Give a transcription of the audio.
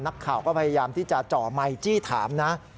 นักข่าวก็พยายามที่จะจ่อไมค์จี้ถามนะ